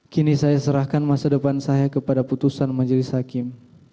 kini saya serahkan masa depan saya kepada putusan majelis hakim